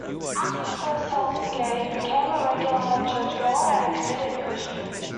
After the first health scare he became a regular churchgoer and a committed Christian.